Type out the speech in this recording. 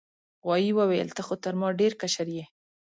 غوايي وویل ته خو تر ما ډیر کشر یې.